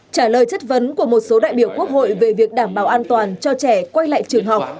trả lời chất vấn của một số đại biểu quốc hội về việc đảm bảo an toàn cho trẻ quay lại trường học